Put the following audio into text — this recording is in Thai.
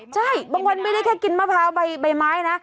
ใช่บางวันไม่ได้แค่กินมะพร้าวใบไม้นะ